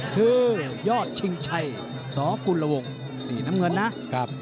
คือยอดชิงชัยศกุลโมงน้ำเงินนะ